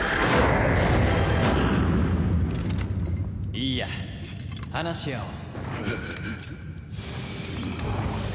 いいや話し合おう。